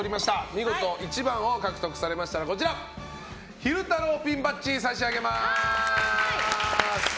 見事１番を獲得されましたら昼太郎ピンバッジを差し上げます。